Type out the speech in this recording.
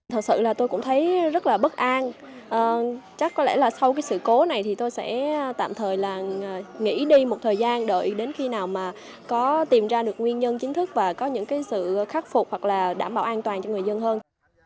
thật sự là tôi cũng thấy rất là bất an chắc có lẽ là sau cái sự cố này thì tôi sẽ tạm thời là nghỉ đi một thời gian đợi đến khi nào mà có tìm ra được nguyên nhân chính thức và có những sự khắc phục hoặc là đảm bảo an toàn cho người dân hơn